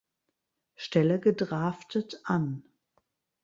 Stelle gedraftet an.